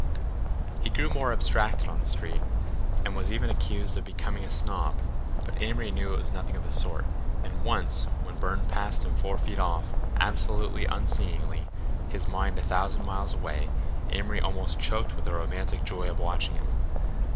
He grew more abstracted on the street and was even accused of becoming a snob, but Amory knew it was nothing of the sort, and once when Burne passed him four feet off, absolutely unseeingly, his mind a thousand miles away, Amory almost choked with the romantic joy of watching him.